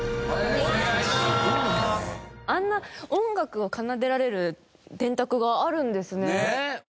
あんな音楽を奏でられる電卓があるんですね。